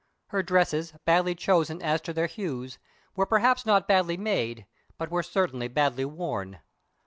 Her dresses, badly chosen as to their hues, were perhaps not badly made, but were certainly badly worn.